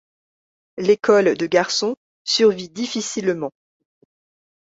L’école de garçons survit difficilement.